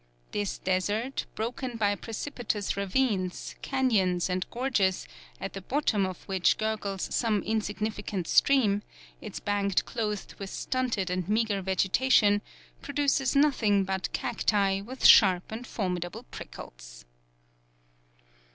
This desert, broken by precipitous ravines, cañons, and gorges, at the bottom of which gurgles some insignificant stream, its banks clothed with stunted and meagre vegetation, produces nothing but cacti with sharp and formidable prickles.